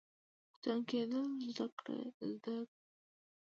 انسان کیدل زده کړئ